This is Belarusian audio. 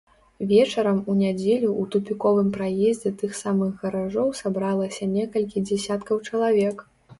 Вечарам у нядзелю ў тупіковым праездзе тых самых гаражоў сабралася некалькі дзесяткаў чалавек.